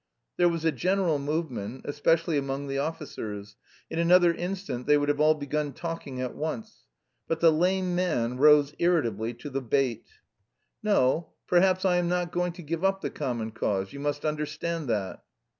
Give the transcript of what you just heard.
There was a general movement, especially among the officers. In another instant they would have all begun talking at once. But the lame man rose irritably to the bait. "No, perhaps I am not going to give up the common cause. You must understand that..."